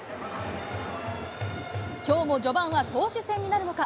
きょうも序盤は投手戦になるのか。